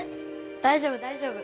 大丈夫大丈夫。